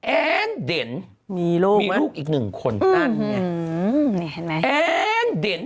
แอ้นเด้น